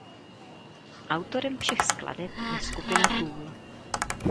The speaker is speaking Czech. Autorem všech skladeb je skupina Tool.